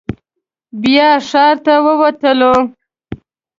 بیا ښار ته ووتلو.